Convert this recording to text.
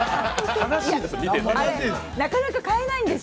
悲しいです。